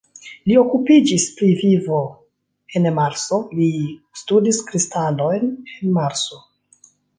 Li okupiĝis pri vivo en Marso, li studis kristalojn el Marso.